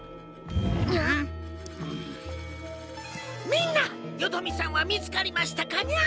みんなよどみさんは見つかりましたかニャ？